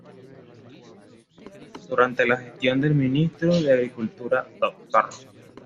Durante la gestión del ministro de agricultura, Dr.